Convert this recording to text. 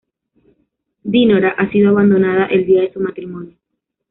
Dinorah ha sido abandonada el día de su matrimonio.